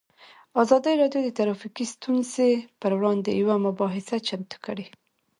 ازادي راډیو د ټرافیکي ستونزې پر وړاندې یوه مباحثه چمتو کړې.